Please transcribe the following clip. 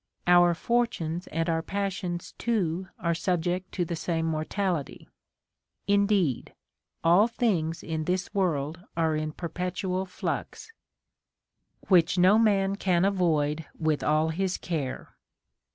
Our fortunes and our passions too are subject to the same mortal ity ; indeed all things in this Avorld are in perpetual flux, — Which no man can avoid with all his care.